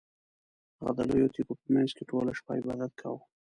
هغه د لویو تیږو په مینځ کې ټوله شپه عبادت کاوه.